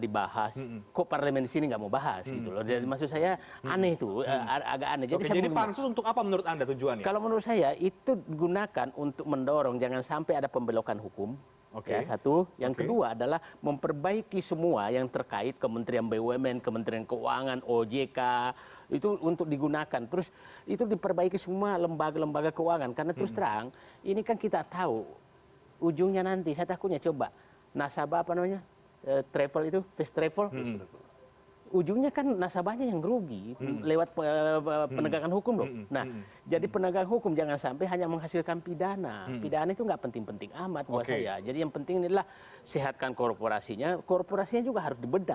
betul mengurahkan akar akar